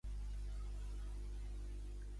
Demà passat na Jana i na Neida iran a Talavera.